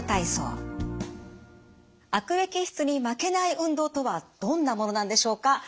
悪液質に負けない運動とはどんなものなんでしょうか。